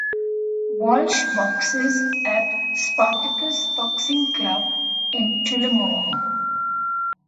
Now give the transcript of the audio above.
Walsh boxes at Spartacus Boxing Club in Tullamore.